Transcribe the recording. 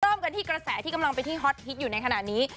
เริ่มกันที่กระแสที่กำลังไปที่ฮอตฮิตอยู่ในขณะนี้